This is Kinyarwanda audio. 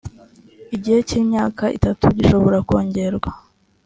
igihe cy’imyaka itatu, gishobora kongerwa